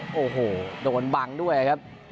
โอ้โหโดนบังด้วยครับ